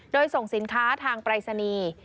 โดยส่งสินค้าทางปรายศนีย์